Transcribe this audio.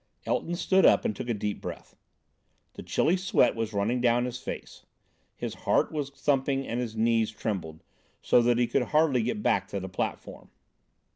Elton stood up and took a deep breath. The chilly sweat was running down his face, his heart was thumping and his knees trembled, so that he could hardly get back to the platform.